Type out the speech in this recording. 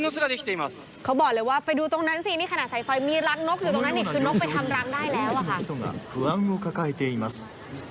นี่เขาก็บอกว่าอย่างคนเดินผ่านไปมันกลัวจะเกิดอุบัติเหตุ